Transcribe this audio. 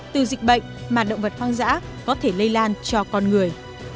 từ dịch bệnh mà động vật hoang dã có thể lây lan cho con người